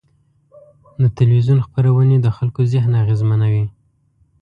د تلویزیون خپرونې د خلکو ذهن اغېزمنوي.